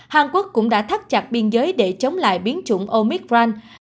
hàn quốc cũng đã thắt chặt biên giới để chống lại biến chủng omicran